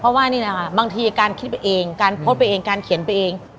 เพราะว่านี่นะคะบางทีการคิดไปเองการโพสต์ไปเองการเขียนไปเอง